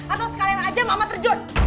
atau sekalian aja mama terjun